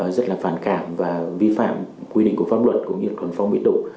rất là phản cảm và vi phạm quy định của pháp luật của nguyễn thuận phong mỹ độ